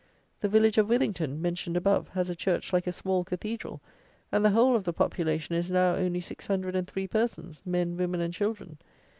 The village of Withington (mentioned above) has a church like a small cathedral, and the whole of the population is now only 603 persons, men, women, and children!